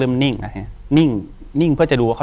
อยู่ที่แม่ศรีวิรัยยิวยวยวลครับ